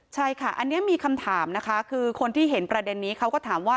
ใช่ค่ะอันนี้มีคำถามนะคะคือคนที่เห็นประเด็นนี้เขาก็ถามว่า